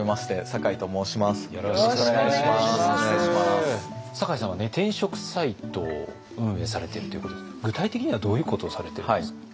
酒井さんは転職サイトを運営されているということですが具体的にはどういうことをされてるんですか？